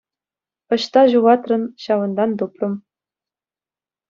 Ӑҫта ҫухатрӑн, ҫавӑнтан тупрӑм.